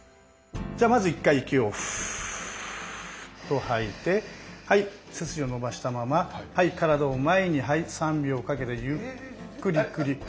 じゃあまず一回息をふっと吐いて背筋を伸ばしたまま体を前に３秒かけてゆっくり倒します。